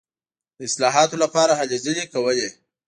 د اصلاحاتو لپاره هلې ځلې کولې.